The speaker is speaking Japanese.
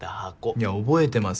いや覚えてます